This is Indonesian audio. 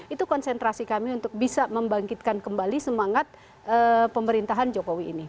itu konsentrasi kami untuk bisa membangkitkan kembali semangat pemerintahan jokowi ini